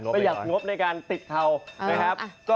ประหยัดงบในการติดเขา